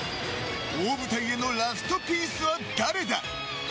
大舞台へのラストピースは誰だ。